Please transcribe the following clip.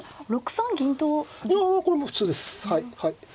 いやこれも普通です。